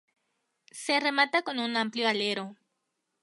Se remata con un amplio alero.